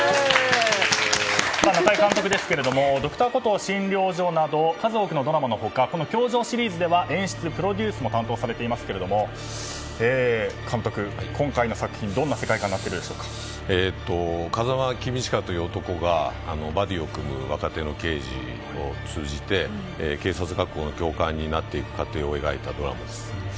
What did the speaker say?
中江監督ですが「Ｄｒ．コトー診療所」など数多くのドラマの他「教場」シリーズでは演出プロデュースも担当されていますけれども監督、今回の作品どんな世界観に風間公親という男がバディを組む若手の刑事を通じて警察学校の教官になっていく過程を描いたドラマです。